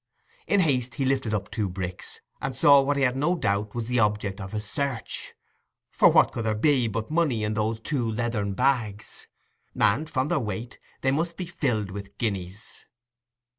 In haste he lifted up two bricks, and saw what he had no doubt was the object of his search; for what could there be but money in those two leathern bags? And, from their weight, they must be filled with guineas.